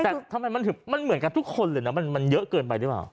แต่ทำไมมันเหมือนกับทุกคนหรือเปล่ามันเยอะเกินไปหรือเปล่า